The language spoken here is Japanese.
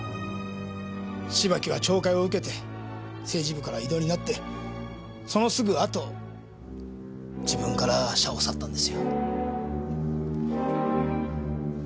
芝木は懲戒を受けて政治部から異動になってそのすぐ後自分から社を去ったんですよ。